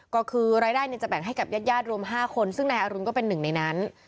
ก็คือรายได้จะแบ่งให้กับญาติญาติรวม๕คนซึ่งนายอรุณก็เป็นหนึ่งในนั้น